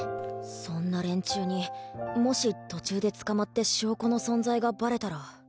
そんな連中にもし途中で捕まって証拠の存在がバレたら。